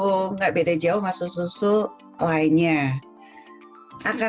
tidak berbeda jauh dengan susu lainnya